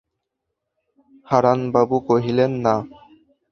হারানবাবু কহিলেন, না।